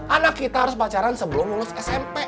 anak kita harus pacaran sebelum lulus smp